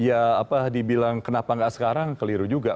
saya pikir ya apa dibilang kenapa enggak sekarang keliru juga